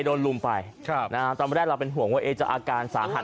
ลุมไปครับนะฮะตอนแรกเราเป็นห่วงว่าจะอาการสาหัส